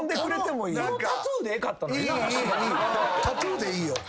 いいタトゥーでいいよ。